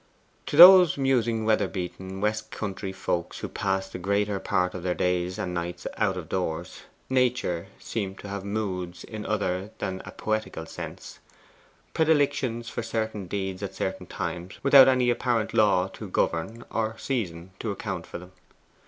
To those musing weather beaten West country folk who pass the greater part of their days and nights out of doors, Nature seems to have moods in other than a poetical sense: predilections for certain deeds at certain times, without any apparent law to govern or season to account for them.